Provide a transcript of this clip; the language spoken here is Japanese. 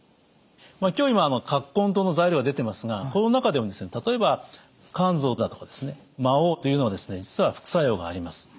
今日根湯の材料が出てますがこの中でも例えば甘草だとか麻黄というのは実は副作用があります。